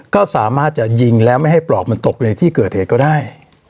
ก็สามารถจะยิงแล้วไม่ให้ปลอกมันตกในที่เกิดเหตุก็ได้